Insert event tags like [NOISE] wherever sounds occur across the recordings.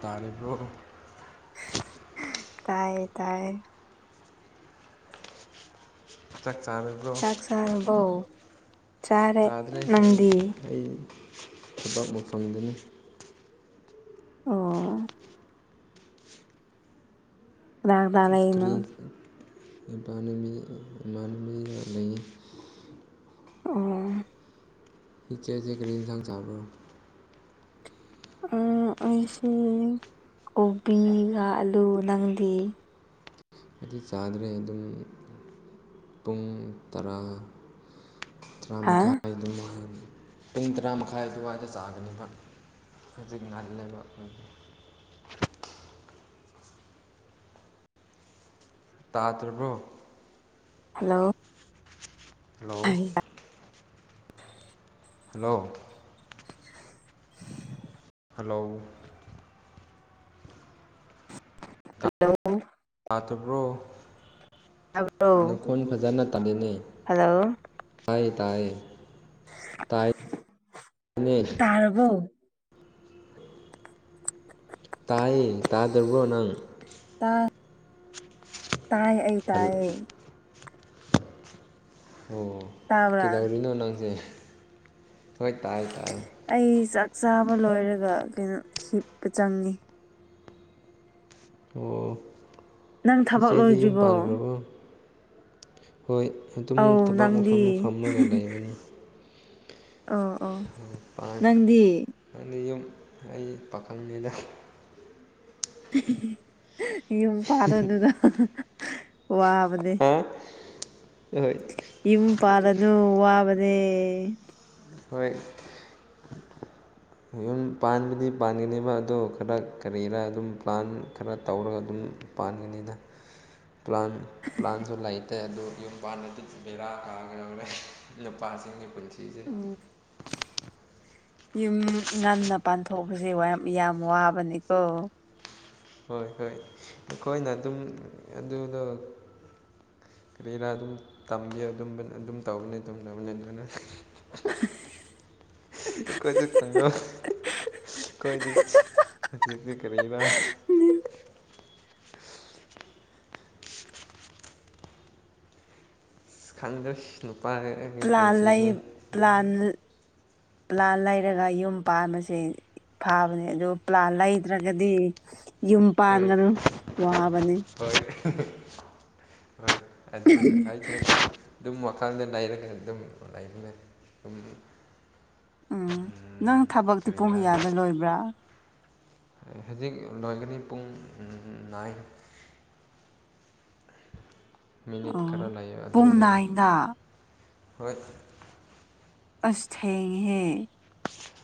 ꯇꯥꯔꯤꯕꯣ ꯇꯥꯏꯌꯦ ꯇꯥꯏꯌꯦ ꯆꯥꯛ ꯆꯥꯔꯕ꯭ꯔꯣ ꯆꯥꯛ ꯆꯥꯔꯕꯧ ꯆꯥꯔꯦ ꯆꯥꯗ꯭ꯔꯦ ꯑꯩ ꯅꯪꯗꯤ ꯑꯩ ꯊꯕꯛ ꯃꯐꯝꯗꯨꯅꯤ ꯑꯣ ꯀꯥꯅꯥ ꯀꯥꯅꯥ ꯂꯩꯩꯔꯤꯅꯣ ꯀꯔꯤ ꯏꯃꯥꯟꯅꯕꯤ ꯏꯃꯥꯟꯅꯕꯤ ꯂꯩꯌꯦ ꯑꯣ ꯏꯗꯤ ꯀꯔꯤꯏꯟꯁꯥꯡ ꯆꯥꯕ꯭ꯔꯣ ꯑꯩꯁ ꯀꯣꯕꯤꯒ ꯑꯂꯨ ꯅꯪꯗꯏ ꯑꯩꯗꯤ ꯆꯥꯗ꯭ꯔꯦ ꯑꯗꯨꯝ ꯄꯨꯡ ꯇꯔꯥ ꯇꯔꯥ ꯍꯥ ꯃꯈꯥꯏ ꯑꯗꯨꯝꯃꯥꯏ ꯄꯨꯡ ꯇꯔꯥ ꯃꯈꯥꯏ ꯑꯗꯨꯋꯥꯏꯗ ꯆꯥꯒꯅꯦꯕ ꯍꯧꯖꯤꯛ ꯉꯜꯂꯦꯕ [UNINTELLIGIBLE] ꯇꯥꯗ꯭ꯔꯕ꯭ꯔꯣ hello hello [UNINTELLIGIBLE] hello [INAUDIBLE] hello hello ꯂꯩꯇꯕ꯭ꯔꯣ ꯇꯥꯕ꯭ꯔꯣ ꯅꯈꯣꯟ ꯐꯖꯅ ꯇꯥꯗꯦꯅꯦ ꯇꯥꯏꯌꯦ ꯇꯥꯏꯌꯦ ꯇꯥꯏꯅꯦ ꯇꯔꯕꯣ ꯇꯥꯏꯌꯦ ꯇꯥꯗ꯭ꯔꯕ꯭ꯔꯣ ꯅꯪ ꯇꯥ ꯇꯥꯏ ꯑꯩ ꯍꯜ ꯇꯥꯏꯌꯦ ꯑꯣ ꯇꯥꯕ꯭ꯔꯥ ꯀꯩꯗꯧꯔꯤꯅꯣ ꯅꯪꯁꯦ ꯍꯣꯏ ꯇꯥꯏꯌꯦ ꯇꯥꯏꯌꯦ ꯑꯩ ꯆꯥꯛ ꯆꯥꯕ ꯂꯣꯏꯔꯒ ꯀꯩꯅꯣ ꯍꯤꯞꯄ ꯆꯪꯉꯤ ꯑꯣ ꯅꯪ ꯊꯕꯛ ꯏꯆꯦꯗ ꯌꯨꯝ ꯂꯣꯏꯗ꯭ꯔꯤꯕꯣ ꯄꯥꯟꯈ꯭ꯔꯕꯣ ꯍꯣꯏ ꯑꯗꯨꯝ ꯑꯧ ꯊꯕꯥꯛ ꯅꯪꯗꯤ ꯃꯐꯝꯗ ꯐꯝꯃꯒ ꯂꯩꯕꯅꯤ ꯑꯣ ꯑꯣ ꯅꯪꯗꯤ ꯑꯗꯤ ꯌꯨꯝ ꯑꯩ ꯄꯥꯈꯪꯉꯗ ꯌꯨꯝ ꯄꯥꯗꯥꯗꯅ ꯋꯥꯕ ꯅꯦ ꯍꯥ ꯍꯣꯏ ꯌꯨꯝ ꯄꯥꯜꯂꯥꯅꯨ ꯋꯥꯕꯅꯦ ꯍꯣꯏ [INAUDIBLE] ꯌꯨꯝ ꯄꯥꯟꯕꯗꯤ ꯄꯥꯟꯒꯅꯦꯕ ꯑꯗꯨ ꯈꯔ ꯀꯔꯤꯔ ꯑꯗꯨꯝ ꯄ꯭ꯂꯥꯟ ꯈꯔ ꯇꯧꯔꯒ ꯑꯗꯨꯝ ꯄꯥꯟꯒꯅꯤꯗ ꯄ꯭ꯂꯥꯟ ꯄ꯭ꯂꯥꯟꯁꯨ ꯂꯩꯇꯦ ꯑꯗꯨ ꯌꯨꯝ ꯄꯥꯟꯅꯗꯤ ꯕꯦꯔꯥ ꯀꯒ ꯌꯥꯧꯔꯦ ꯑꯖꯤꯡꯒꯤ ꯄꯨꯟꯁꯤꯖꯦ ꯎꯝ ꯌꯨꯝ ꯉꯟꯅ ꯄꯥꯟꯊꯣꯛꯄꯁꯦ ꯌꯥꯝ ꯋꯥꯕꯅꯤꯀꯣ ꯍꯣꯏ ꯍꯣꯏ ꯑꯩꯈꯣꯏꯅ ꯑꯗꯨꯝ ꯑꯗꯨꯗꯣ ꯀꯔꯤꯔꯥ ꯑꯗꯨꯝ ꯇꯝꯒꯦ ꯑꯗꯨꯝ ꯇꯧꯕꯅꯤ ꯇꯝꯕꯅꯤ ꯑꯗꯨꯅ ꯀꯣꯏꯁꯨ ꯈꯪꯉ ꯑꯩꯈꯣꯏꯗꯤ ꯍꯧꯖꯤꯛꯇꯤ ꯀꯔꯤꯔꯤꯕ ꯈꯪꯗꯁꯤ ꯅꯨꯄꯥ ꯑꯩꯒꯤ ꯄ꯭ꯂꯥꯟ ꯂꯩ ꯄꯨꯟꯁꯤꯅꯤ ꯄ꯭ꯂꯥꯟ ꯄ꯭ꯂꯥꯟ ꯂꯩꯔꯒ ꯌꯨꯝ ꯄꯥꯟꯕꯁꯦ ꯐꯥꯕꯅꯦ ꯑꯗꯨ ꯄ꯭ꯂꯥ ꯂꯩꯗ꯭ꯔꯒꯗꯤ ꯌꯨꯝ ꯍꯣꯏ ꯄꯥꯟꯒꯅꯨ ꯋꯥꯕꯅꯤ ꯍꯣꯏ ꯍꯣꯏ ꯑꯗꯨ ꯍꯥꯏꯁꯨ ꯑꯗꯨꯝ ꯋꯥꯈꯜꯗ ꯂꯩꯔꯒ ꯑꯗꯨꯝ ꯂꯩꯅ ꯑꯗꯨꯝ ꯎꯝ ꯅꯪ ꯊꯕꯛꯇꯤ ꯄꯨꯡ ꯀꯔꯤꯔꯥ ꯀꯌꯥꯗ ꯂꯣꯏꯕ꯭ꯔꯥ ꯍꯧꯖꯤꯛ ꯂꯣꯏꯒꯅꯤ ꯄꯨꯡ ꯅꯥꯏꯟ ꯃꯤꯅꯤꯠ ꯑ ꯈꯔ ꯂꯩꯌꯦ ꯄꯨꯡ ꯑꯗꯨꯒꯅꯤ ꯅꯥꯏꯗ ꯍꯣꯏ ꯑꯁꯩꯍ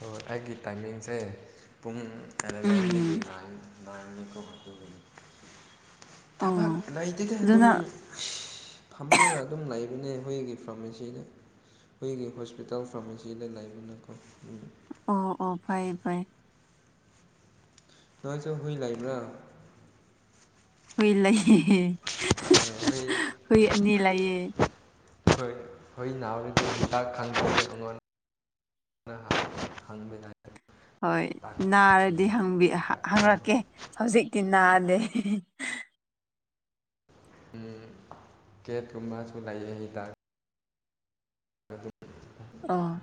ꯑꯣ ꯑꯩꯒꯤ ꯇꯥꯏꯃꯤꯡꯁꯦ ꯄꯨꯡ ꯑꯦꯂꯕꯦꯟꯗꯒꯤ ꯎꯝ ꯅꯍꯥꯟ ꯂꯥꯡꯅꯤ ꯀ ꯍꯒꯅꯤ ꯊꯕꯛ ꯑꯣ ꯂꯩꯗꯒ ꯑꯗꯨꯝ ꯑꯗꯨꯅ ꯐꯝꯂꯒ ꯑꯗꯨꯝ ꯂꯩꯕ ꯑꯗꯨꯅꯦ ꯍꯨꯏꯒꯤ ꯐꯥꯔꯃꯥꯁꯤꯗ ꯍꯨꯏꯒꯤ ꯍꯣꯁꯄꯤꯇꯥꯜ ꯐꯥꯔꯃꯥꯁꯤꯗ ꯂꯩꯕꯅꯀꯣ ꯎꯝ ꯑꯣ ꯑꯣ ꯐꯥꯏ ꯐꯥꯏ ꯅꯉꯁꯨ ꯍꯨꯏ ꯂꯩꯥꯛꯕ꯭ꯔꯥ ꯍꯨꯏ ꯂꯩꯌꯦ ꯍꯨꯏ ꯍꯨꯏ ꯑꯅꯤ ꯂꯩꯌꯦ ꯍꯣꯏ ꯍꯣꯏ ꯅꯍꯇ ꯈ ꯍꯪꯕꯗꯥ ꯍꯣꯏ ꯅꯥꯔꯗꯤ ꯍꯪ ꯍꯤꯗꯥꯛ ꯄꯤꯒꯦ ꯍꯪꯔꯛꯀꯦ ꯍꯧꯖꯤꯛꯇꯤ ꯅꯥꯗꯦ ꯍ ꯀꯦꯠꯀꯨꯝꯕꯁꯨ ꯂꯥꯛꯑ ꯍꯤꯗꯥꯛ ꯑꯗꯨ ꯑꯗꯨ ꯑꯥ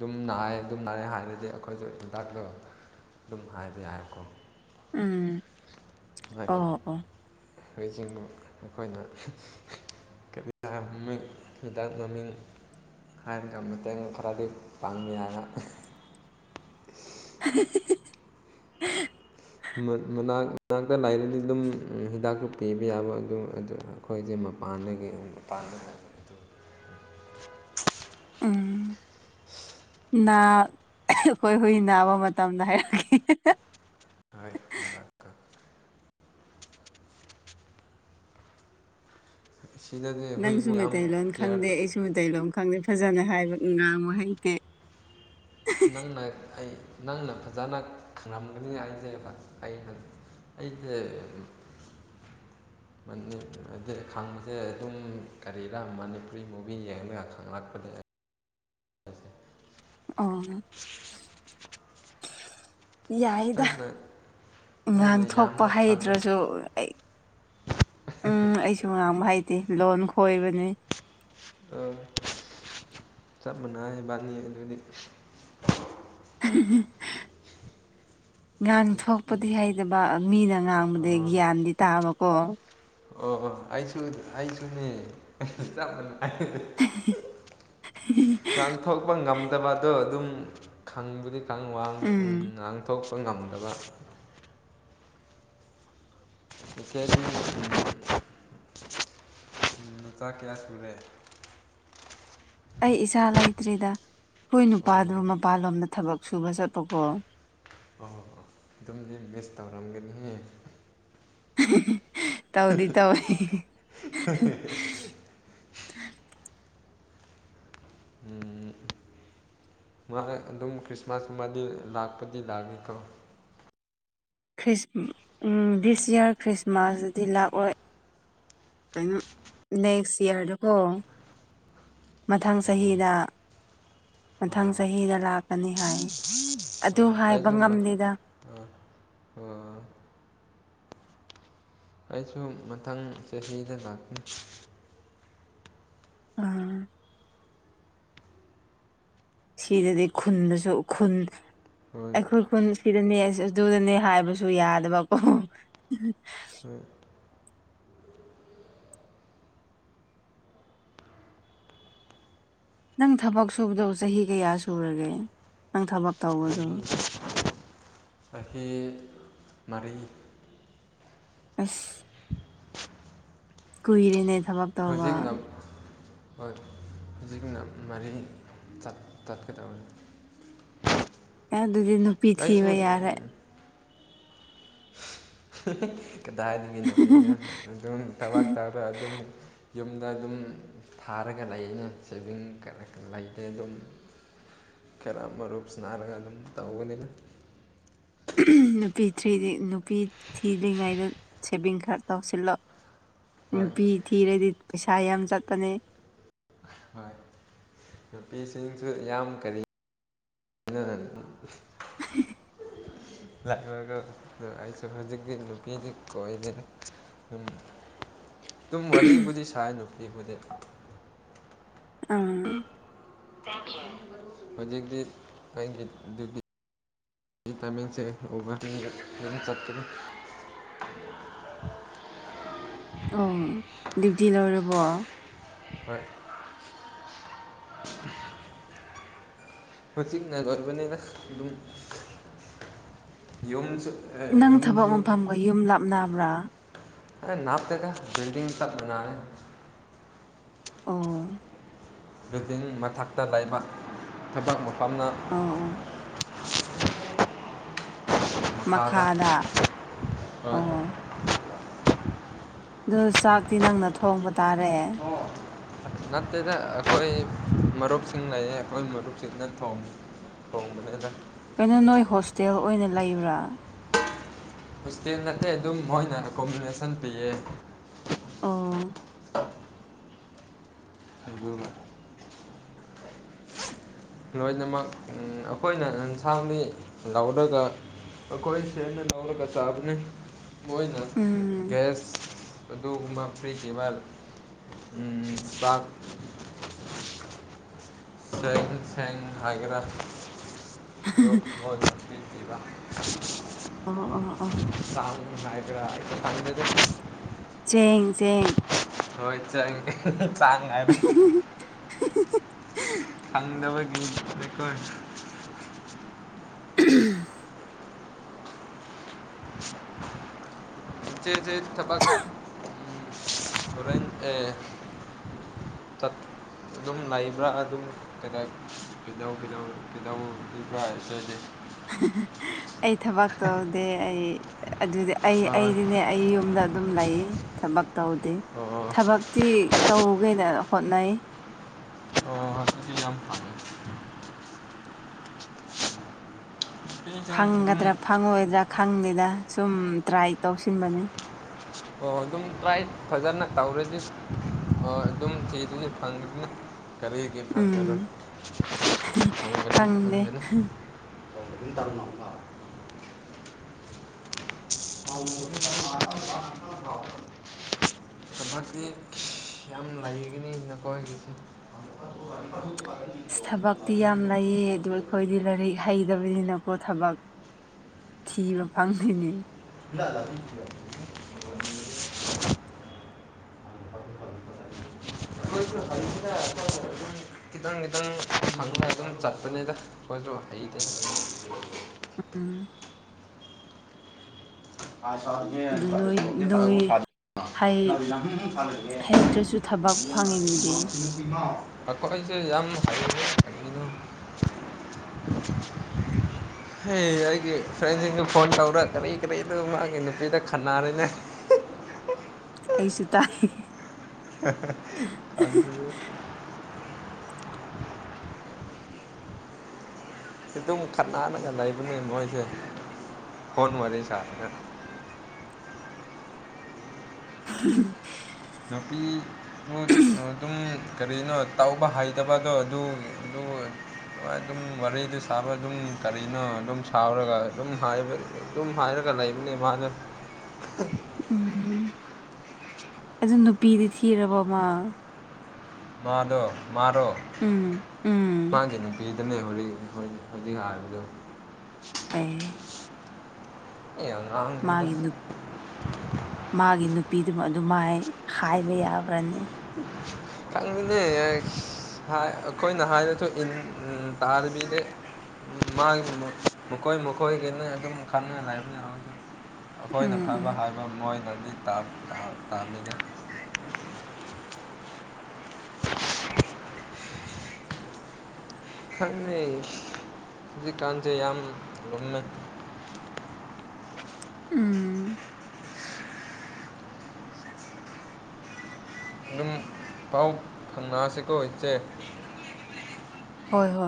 ꯑꯗꯨꯝ ꯅꯥꯌꯦ ꯑꯗꯨꯝ ꯅꯥꯦ ꯍꯥꯏꯔꯗꯤ ꯑꯩꯈꯣꯏꯁꯨ ꯏꯝꯇꯥꯛꯇꯣ ꯑꯗꯨꯝ ꯍꯥꯏꯕ ꯌꯥꯏꯀꯣ ꯎꯝ ꯑꯣ ꯑꯣ ꯍꯧꯈꯣꯏꯖꯤꯤꯡꯕ ꯑꯩꯈꯣꯏꯅ ꯃꯃꯤꯡ ꯍꯤꯗꯥꯛ ꯃꯃꯤꯡ ꯍꯥꯏꯅ ꯀꯃꯦꯠꯇꯦꯡ ꯈꯔꯗꯤ ꯐꯪꯉ ꯍꯥꯏꯅ [UNINTELLIGIBLE] ꯅꯥ ꯃꯅꯥꯛꯇ ꯂꯥꯏꯔꯗꯤ ꯑꯗꯨꯝ ꯍꯤꯗꯥꯛꯇꯨ ꯄꯤꯕ ꯌꯥꯕ ꯑꯗꯨꯝ ꯑꯩꯈꯣꯏꯁꯦ ꯃꯄꯥꯟꯗꯒꯤ ꯃꯄꯥꯟꯗ [UNINTELLIGIBLE] ꯑꯥ ꯅꯥ ꯑꯩꯈꯣꯏ ꯍꯨꯏ ꯅꯥꯕ ꯃꯇꯝꯗ ꯍꯥꯏꯔꯛꯀꯦ ꯍꯣꯏ ꯍꯤꯗꯥꯛꯀ ꯁꯤꯗꯗꯤ ꯍꯨꯏꯕꯨ ꯅꯪꯁꯨ ꯌꯥꯝ ꯃꯩꯇꯩꯂꯣꯟꯣꯟ ꯈꯪꯗꯦ ꯀꯤꯌꯔ ꯑꯩꯁꯨ ꯃꯩꯇꯩꯂꯣꯟ ꯈꯪꯗꯦ ꯐꯖꯅ ꯍꯥꯏꯕ ꯅꯨꯡꯉꯡꯕ ꯍꯩꯇꯦ ꯅꯪꯅ ꯑꯩ ꯅꯪꯅ ꯐꯖꯅ ꯈꯪꯂꯝꯝꯒꯅꯤ ꯑꯩꯁꯦ ꯑ ꯑꯩꯗꯤ [UNINTELLIGIBLE] ꯈꯪꯕꯁꯦ ꯑꯗꯨꯝ ꯀꯔꯤꯔꯥ ꯃꯅꯤꯄꯨꯔꯤ ꯃꯨꯚꯤ ꯌꯦꯡꯉꯒ ꯈꯪꯂꯛꯄꯅꯦ ꯑꯣ ꯌꯥꯏꯗ ꯅꯪꯅ ꯅꯪꯅ ꯉꯥꯡ ꯊꯣꯛꯣꯛꯄ ꯌꯥꯝꯅ ꯈꯪꯉꯤ ꯍꯩꯗ꯭ꯔꯁꯨ ꯑꯩ ꯎꯝ ꯑꯩꯁꯨ ꯉꯥꯡꯕ ꯍꯥꯏꯇꯦ ꯂꯣꯟ ꯈꯣꯏꯕꯅꯤ ꯑ ꯆꯞ ꯃꯅꯕꯅꯤ ꯑꯗꯨꯗꯤ ꯉꯥꯡ ꯊꯣꯛꯄꯗꯤ ꯍꯩꯇꯕ ꯃꯤꯅ ꯑꯉꯥꯡꯕꯗꯤ ꯑꯣ ꯒ꯭ꯌꯥꯟꯗꯤ ꯇꯥꯕꯀꯣ ꯑꯣ ꯑꯩꯁꯨ ꯑꯩꯁꯨꯅꯦ ꯆ ꯉꯥꯡꯊꯣꯛꯄ ꯉꯝ ꯐꯠꯇꯕꯗꯣ ꯑꯗꯨꯝ ꯈꯪꯕꯨꯗꯤ ꯈꯪ ꯋꯥ ꯎꯝ ꯉꯥꯡꯊꯣꯛ ꯉꯝꯗꯕ ꯁꯆꯦ ꯅꯨꯆꯥ ꯀꯌꯥ ꯁꯨꯔꯦ ꯑꯩ ꯏꯆꯥ ꯂꯩꯇ꯭ꯔꯤꯗ ꯍꯣꯏ ꯑꯣ ꯅꯨꯄꯥꯗꯨ ꯑꯣ ꯃꯄꯜꯂꯣꯝꯗ ꯊꯕꯛ ꯁꯨꯚꯦꯁꯥ ꯄꯣꯛꯀꯣ ꯑꯣ ꯑꯗꯨꯝꯗꯤ ꯃꯤꯁ ꯇꯧꯔꯝꯒꯅꯤ ꯇꯧꯗꯤ ꯇꯧꯏ ꯎꯝ ꯃꯥ ꯑꯗꯨꯝ ꯈ꯭ꯔꯤꯁꯃꯥꯁꯀꯨꯝꯕꯗꯤ ꯂꯥꯛꯄꯗꯤ ꯂꯥꯛꯏꯦꯀꯣ ꯗꯤꯁ ꯏꯌꯥꯔ ꯈ꯭ꯔꯤꯁꯃꯥꯁꯗꯤ ꯂꯥꯛꯑꯣꯏ ꯀꯩꯅꯣ ꯅꯦꯛꯁ ꯏꯌꯥꯔꯗꯨꯀꯣ ꯃꯊꯪ ꯑꯣ ꯆꯍꯤꯗ ꯃꯊꯪ ꯑꯣ ꯆꯍꯤꯗ ꯂꯥꯛꯀꯅꯤ ꯍꯥꯏ ꯑꯗꯨ ꯑꯣ ꯍꯥꯏꯕ ꯑꯩꯁꯨ ꯃꯠ ꯉꯝꯂꯦꯗ ꯑꯥ ꯑꯣ ꯑꯩꯁꯨ ꯃꯊꯪ ꯆꯍꯤꯗ ꯂꯥꯛꯅꯤ ꯑꯥ ꯁꯤꯗꯗꯤ ꯈꯨꯟꯗꯁꯨ ꯈꯨꯟ ꯍꯣꯏ ꯑꯩꯈꯣꯏ ꯈꯨꯟ ꯁꯤꯗꯅꯦ ꯑꯗꯨꯗꯅꯦ ꯍꯥꯏꯕꯁꯨ ꯌꯥꯗꯕꯀꯣ ꯎꯣꯏ ꯅꯪ ꯊꯕꯛ ꯁꯨꯕꯗꯣ ꯆꯍꯤ ꯀꯌꯥ ꯁꯨꯔꯒꯦ ꯅꯪ ꯊꯕꯛ ꯇꯧꯕꯗꯣ [INAUDIBLE] ꯑꯩꯈꯦ ꯃꯔꯤ ꯑꯁ ꯀꯨꯏꯔꯤꯉꯩ ꯊꯕꯛ ꯇꯧꯕ ꯍꯧꯖꯤꯛꯅ ꯍꯣꯏ ꯍꯧꯖꯤꯛꯅ ꯃꯔꯤ ꯆꯠꯀꯗꯧꯅꯤ ꯑꯗꯨꯗꯤ ꯅꯨꯄꯤ ꯊꯤꯕ ꯌꯥꯔꯦ ꯀꯗꯥꯏꯒꯤ ꯅꯨꯄꯤꯅ ꯑꯗꯨꯝ ꯊꯕꯥꯛ ꯇꯧꯗ ꯑꯗꯨꯝ ꯌꯨꯝꯗ ꯑꯗꯨꯝ ꯊꯥꯔꯒ ꯂꯩ ꯑꯅꯦ ꯁꯦꯚꯤꯡ ꯂꯩꯇꯦ ꯑꯗꯨꯝ ꯈꯔꯝꯕ ꯔꯨꯨꯞꯁꯅꯔꯒꯂꯝ ꯇ ꯎꯒꯅꯤꯅ ꯅꯨꯄꯤ ꯅꯨꯄꯤ ꯊꯤꯗ꯭ꯔꯤꯉꯩꯗ ꯁꯦꯚꯤꯡ ꯀꯥꯔꯗ ꯇꯧꯁꯤꯜꯂꯣ ꯍꯣꯏ ꯅꯨꯄꯤ ꯊꯤꯔꯗꯤ ꯄꯩꯁꯥ ꯌꯥꯝ ꯆꯠꯄꯅꯦ ꯍ ꯅꯨꯄꯤꯁꯤꯡꯁꯨ ꯌꯥꯝ ꯀꯔꯤ ꯑꯔ [INAUDIBLE] ꯂꯥꯛꯒ ꯑꯩꯁꯨ ꯍꯧꯖꯤꯛꯇꯤ ꯅꯨꯄꯤꯗꯤ ꯀꯣꯏꯗꯅ ꯎꯝ ꯑꯗꯨꯝ ꯋꯥꯔꯤꯨꯗꯤ ꯁꯥꯏ ꯅꯨꯄꯤꯕꯨꯗꯤ ꯑꯥ ꯍꯧꯖꯤꯛꯇꯤ ꯑꯩꯒꯤꯗꯤ ꯑꯩ ꯇꯃꯤꯜꯁ ꯎꯕ ꯆꯇ꯭ꯔ [INAUDIBLE] ꯑꯣ ꯗ꯭ꯌꯨꯇꯤ ꯂꯣꯏꯔꯕꯣ ꯍꯣꯏ ꯃ ꯆꯤꯅꯒꯔꯕ ꯑꯗꯨꯝ ꯌꯣꯁꯨ ꯅꯪ ꯊꯕꯛ ꯃꯐꯝꯒ ꯌꯨꯝ ꯂꯥꯞꯅꯕ꯭ꯔꯥ ꯅꯥꯞꯇꯀ ꯜꯗꯤꯡ ꯆꯠ ꯅꯥꯅꯦ ꯑꯣ ꯗꯤꯡ ꯃꯊꯛꯇ ꯂꯩꯕ ꯊꯕꯛ ꯃꯐꯝꯅ ꯑꯣ ꯑꯣ [UNINTELLIGIBLE] ꯃꯈꯥꯗ ꯍꯣꯏ ꯑꯣ ꯑꯗꯨ ꯆꯥꯛꯇꯤ ꯅꯪꯅ ꯊꯣꯡꯕ ꯇꯥꯔꯦ ꯅꯠꯇꯦꯗ ꯑꯩꯈꯣꯏ ꯃꯔꯨꯞꯁꯤꯡ ꯂꯩꯌꯦ ꯑꯩꯈꯣꯏ ꯃꯔꯨꯞꯁꯤꯅ ꯊꯣꯡꯉꯤ ꯍꯣꯣꯡ ꯃꯗ ꯀꯩꯅꯣ ꯅꯣꯏ ꯍꯣꯁꯇꯦꯜ ꯑꯣꯏꯅ ꯂꯩꯕ꯭ꯔꯥ ꯍꯣꯁꯇꯦꯜ ꯅꯠꯇꯦ ꯑꯗꯨꯝ ꯃꯣꯏꯅ ꯑꯦꯀꯣꯃꯤꯅꯦꯁꯟ ꯄꯤꯌꯦ ꯑ ꯑꯗꯨꯒ ꯂꯣꯏꯅꯃꯛ ꯑꯩꯈꯣꯏꯅ ꯌꯦꯟꯁꯥꯡ ꯃꯤ ꯂꯧꯔꯒ ꯀꯣꯏ ꯁꯦ ꯅꯧꯔ ꯀꯅꯤ ꯎꯝ ꯑꯣꯏꯣꯏꯅꯦꯁ ꯑꯗꯨꯒꯨꯝꯕ ꯐ꯭ꯔꯤ ꯀꯦꯕꯥꯜ ꯄꯥꯛ ꯁꯦꯡ ꯁ ꯍꯥꯏꯒꯔꯥ ꯂ ꯏ ꯀꯔ ꯑꯣ ꯑꯣ ꯑꯣꯥ ꯑꯗꯨꯒꯥ ꯄꯁꯥꯟ ꯂꯩꯗ ꯆꯦꯡ ꯆꯦꯡ ꯍꯣꯏ ꯆꯪ ꯆꯥꯡ ꯍꯥꯏ [UNINTELLIGIBLE] ꯊꯪꯗꯕꯒꯣ [UNINTELLIGIBLE] ꯆꯦ ꯆꯦ ꯊꯕ ꯇꯠ ꯑꯗꯨꯝ ꯂꯩꯕ꯭ꯔꯥ ꯑꯗꯨꯝ ꯀꯗ ꯀꯤꯗ ꯀꯤꯗꯧꯕꯕ꯭ꯔꯥ ꯍꯥꯏꯗꯤ ꯑꯩ ꯊꯕꯛ ꯇꯧꯗꯦ ꯑꯩ ꯑꯗꯨꯗꯤ ꯑꯩ ꯍꯣꯏ ꯑꯩꯗꯤꯅꯦ ꯑꯩ ꯌꯨꯝꯗ ꯑꯗꯨꯝ ꯂꯩ ꯊꯕꯛ ꯇꯧꯗꯤꯦ ꯑꯣ ꯊꯕꯛꯇꯤ ꯇꯧꯒꯦꯅ ꯍꯣꯠꯅꯩ ꯑꯣ ꯍꯧꯖꯤꯗꯤ ꯌꯥꯝ ꯐꯦ ꯅꯨꯄꯤꯁꯤꯡ ꯑꯗꯨꯝ ꯐꯪꯒꯗ꯭ꯔꯥ ꯐꯪꯉꯣꯏꯗ꯭ꯔꯥ ꯈꯪꯗꯦꯗ ꯁꯨꯝ ꯇ꯭ꯔꯥꯏ ꯇꯧꯁꯤꯟꯕꯅꯤ ꯑꯣ ꯑꯗꯨꯝ ꯇ꯭ꯔꯥꯏ ꯐꯖꯅ ꯇꯧꯔꯗꯤ ꯍ ꯑꯗꯨꯝ ꯆꯩꯗꯨꯅꯤ ꯐꯪꯅꯤꯅ ꯀꯔꯤꯒꯤ ꯎꯝ ꯐꯪꯕꯅ ꯐꯪꯒꯅꯤ ꯈꯪꯗꯦ ꯈꯪꯗꯅ ꯇ ꯑꯗꯨꯅ ꯇꯔꯅꯕ ꯥꯎꯚꯛꯇꯛꯇꯤ ꯌꯥꯝ ꯂꯩꯒꯅꯤ ꯅꯈꯣꯏꯒꯤꯁꯦ ꯑ ꯊꯕꯛꯇꯤ ꯌꯥꯝ ꯂꯩꯩꯌꯦ ꯑꯗꯣ ꯑꯩꯈꯣꯏꯗꯤ ꯂꯥꯏꯔꯤꯛ ꯍꯩꯇꯕꯅꯤꯅꯀꯣ ꯊꯕꯛ ꯀꯤꯕ ꯐꯥꯡꯅꯤ ꯂ ꯑꯗꯨ [UNINTELLIGIBLE] ꯑꯩꯈꯣꯏꯁꯨ ꯍꯪꯁꯤꯅ ꯑꯩꯈꯣꯏ ꯑꯗꯨꯝ ꯈꯤꯇꯪ ꯈꯤꯇꯪ ꯐꯪꯉ ꯑꯗꯨꯝ ꯆꯠꯄꯅꯤꯗ ꯑꯩꯈꯣꯏꯁꯨ ꯍꯥꯏꯩꯗ ꯎꯝ ꯑꯥ ꯁꯒꯤꯒꯦ ꯑꯗꯨ ꯅꯣꯏ ꯅꯣꯏ ꯐꯔꯛꯕꯨ ꯁꯥꯗ ꯍꯩ ꯂꯕꯤ ꯂꯥꯡꯐ ꯍꯩꯇ꯭ꯔꯁꯨ ꯊꯕꯛ ꯐꯪꯉꯤꯗꯨꯗꯤ ꯐꯔ꯭ꯔꯒꯦꯃꯣ ꯑꯀꯣꯁ ꯌꯥꯝꯝ ꯍꯥꯏꯅ ꯍ ꯌꯥꯏ ꯐ ꯐꯣꯟ ꯇꯧ꯭ꯔ ꯀꯔ ꯀꯔ ꯑꯗꯨ ꯃꯥꯒꯤ ꯅꯨꯄꯤꯗ ꯈꯟꯟꯅꯔꯤꯅꯦ ꯑꯩꯁꯨ ꯇꯥꯏ ꯑ ꯁꯤ ꯑꯗꯨꯝꯨ ꯈꯠ ꯅꯒ ꯂꯩꯕꯅꯦ ꯃꯣꯏꯁꯦ ꯐꯣꯟ ꯋꯥꯔꯤ ꯁꯔꯒꯥ꯫ ꯎꯝ꯫ ꯅꯨꯄꯤꯕꯨ ꯑꯗꯨꯝ ꯀꯔꯤꯅꯣ ꯇꯥꯎꯕ ꯍꯩꯇꯕꯗꯣ ꯑꯗꯨ꯫ [UNINTELLIGIBLE] [INAUDIBLE] ꯍꯣꯏ ꯑꯗꯨꯝ ꯋꯥꯔꯤꯗꯨ ꯁꯥꯕ ꯑꯗꯨꯝ ꯀꯔꯤꯅꯣ ꯑꯗꯨꯝ ꯁꯥꯎꯔꯒ ꯑꯗꯨꯝꯝ ꯍꯥꯏꯔꯒ꯫ ꯂꯩꯕꯅꯦ꯫ ꯎꯝ ꯎꯝ ꯑꯗꯨ ꯅꯨꯄꯤꯗꯤ ꯊꯤꯔꯕꯃ꯫ ꯃꯥꯗꯣ ꯃꯥꯔꯣ ꯎꯝ ꯎꯝ ꯃꯥꯥꯡꯒ ꯅꯨꯄꯤ꯫ ꯈꯈꯤꯟꯅ ꯍꯛ ꯍꯧꯖꯤꯛ ꯍꯥꯏꯔꯕꯗꯣ꯫ ꯑꯦ꯫ ꯑꯉꯥꯡꯅꯤꯗ ꯃꯥꯒꯤ ꯃꯥꯒꯤ ꯅꯨꯄꯤꯗꯨ ꯑꯗꯨ ꯃꯥꯏ ꯍꯥꯏꯕ ꯌꯥꯕ꯫ ꯆꯥꯡꯪ ꯂꯩ꯫ ꯍꯥꯏ ꯀꯣꯏ ꯅꯍꯥꯏ ꯅꯠꯇ ꯏ ꯇꯥꯔꯕꯤꯔ꯫ ꯃꯥꯒꯤ ꯃꯈꯣꯏ ꯃꯈꯣꯏꯒꯤꯅ ꯑꯗꯨꯝ ꯈꯪꯉ ꯂꯕ ꯌꯥ꯫ ꯑꯩꯈꯣꯏꯅ ꯎꯝ ꯎꯝ ꯐꯕ ꯍꯥꯏꯕ ꯃꯣꯏꯅꯗꯤ ꯇꯥꯃꯤꯅꯦ꯫ ꯀꯥꯟꯖꯦ ꯌꯥꯝꯃꯦ꯫ ꯫ ꯎꯝ꯫ ꯑꯗꯨꯝ ꯄꯥꯎ ꯐꯪꯅꯛꯁꯤꯀꯣ ꯏꯆꯦ꯫ ꯍꯣꯏ ꯍꯣꯏ